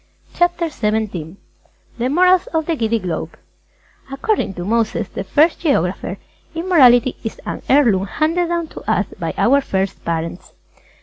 _ CHAPTER XVII THE MORALS OF THE GIDDY GLOBE According to Moses, the First Geographer, Immorality is an heirloom handed down to us by our First Parents.